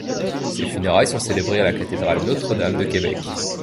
Ses funérailles sont célébrées à la cathédrale Notre-Dame de Québec.